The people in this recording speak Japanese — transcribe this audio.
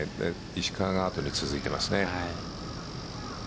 石川があとに続いていますね。